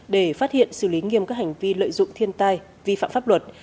để phát hiện xử lý nghiêm các hành vi lợi dụng thiên tai vi phạm pháp luật